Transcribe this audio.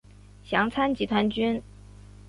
详参集团军。